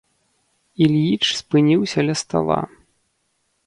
Ільіч спыніўся ля стала.